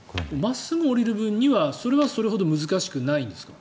真っすぐ下りる分にはそれはそれほど難しくないんですか。